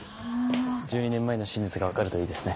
１２年前の真実が分かるといいですね。